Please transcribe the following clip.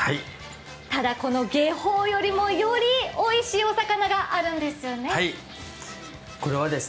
ただこのゲホウよりも、よりおいしいお魚があるんですよね。